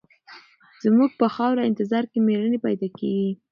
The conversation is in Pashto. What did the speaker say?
زموږ په خاوره انتظار کې مېړني پیدا کېږي.